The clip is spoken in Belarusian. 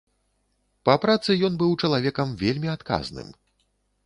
Па працы ён быў чалавекам вельмі адказным.